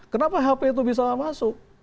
kenapa hp itu bisa masuk